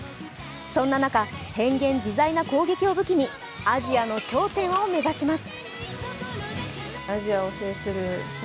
そんな中、変幻自在な攻撃を武器にアジアの頂点を目指します。